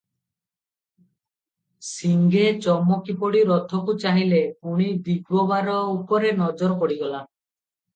ସିଂହେ ଚମକି ପଡ଼ି ରଥଙ୍କୁ ଚାହିଁଲେ, ପୁଣି ଦିଗବାର ଉପରେ ନଜର ପଡିଗଲା ।